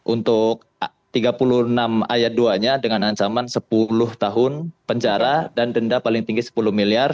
untuk tiga puluh enam ayat dua nya dengan ancaman sepuluh tahun penjara dan denda paling tinggi sepuluh miliar